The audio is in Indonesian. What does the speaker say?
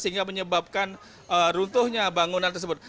sehingga menyebabkan runtuhnya bangunan tersebut